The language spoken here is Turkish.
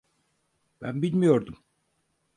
Ben bilmiyordum.